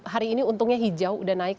hari ini untungnya hijau udah naik